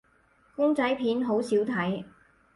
公仔片好少睇